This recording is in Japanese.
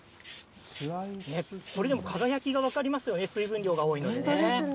これでも輝きが分かりますよね、水分量が多いのでね。